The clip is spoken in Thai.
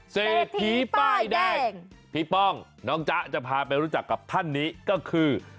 เศรษฐีป้ายแดงพี่ป้องน้องจ๊ะจะพาไปรู้จักกับท่านนี้ก็คือ